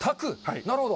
なるほど。